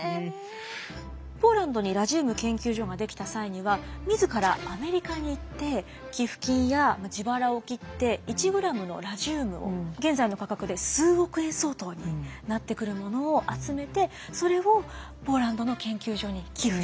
ポーランドにラジウム研究所が出来た際には自らアメリカに行って寄付金や自腹を切って１ｇのラジウムを現在の価格で数億円相当になってくるものを集めてそれをポーランドの研究所に寄付して。